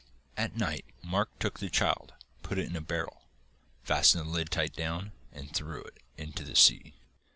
At night Mark took the child, put it in a barrel, fastened the lid tight down, and threw it into the sea.